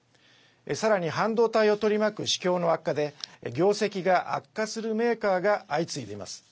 さらに半導体を取り巻く市況の悪化で業績が悪化するメーカーが相次いでいます。